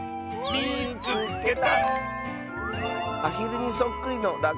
「みいつけた！」。